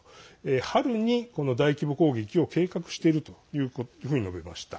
春に、大規模攻撃を計画しているというふうに述べました。